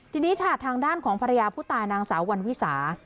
ทีนี้ค่ะทางด้านของภรรยาผู้ตายนางสาววันวิสา